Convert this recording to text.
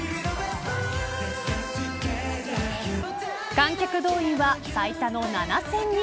観客動員は最多の７０００人。